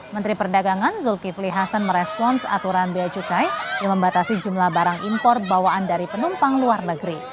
menteri perdagangan zulkifli hasan merespons aturan biaya cukai yang membatasi jumlah barang impor bawaan dari penumpang luar negeri